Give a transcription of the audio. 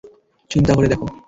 চিন্তা করে দেখ।